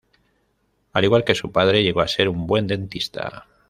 Al igual que su padre, llegó a ser un buen dentista.